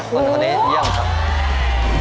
คนนี้เยี่ยมครับ